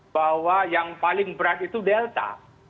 bahwa yang paling berat itu delta